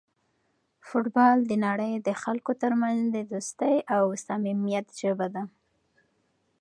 فوټبال د نړۍ د خلکو ترمنځ د دوستۍ او صمیمیت ژبه ده.